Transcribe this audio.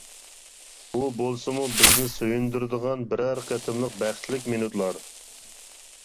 ئۇ بولسىمۇ بىزنى سۆيۈندۈرىدىغان بىرەر قېتىملىق بەختلىك مىنۇتلار!